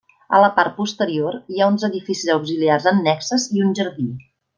A la part posterior hi ha edificis auxiliars annexes i un jardí.